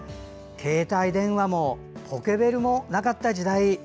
携帯電話もポケベルもなかった時代。